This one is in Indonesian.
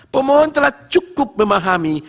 pemohon telah cukup memahami